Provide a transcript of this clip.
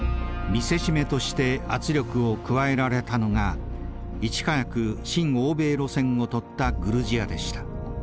見せしめとして圧力を加えられたのがいち早く親欧米路線をとったグルジアでした。